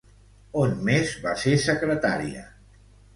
On més va ser secretària?